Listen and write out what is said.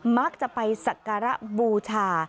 มักจะไปสักการะบูชา